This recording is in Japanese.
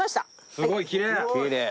すごいきれい！